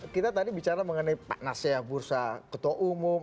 kita tadi bicara mengenai panasnya bursa ketua umum